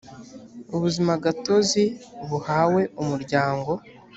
ubuzimagatozi buhawe umuryango